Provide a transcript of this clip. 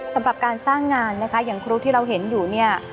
สำหรับการสร้างงานนะคะอย่างครูที่เราเห็นอยู่เนี่ย